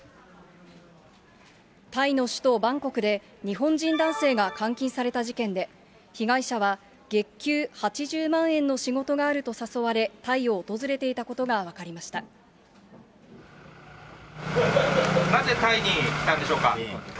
タイの首都バンコクで、日本人男性が監禁された事件で、被害者は月給８０万円の仕事があると誘われ、タイを訪れていたこなぜタイに来たんでしょうか？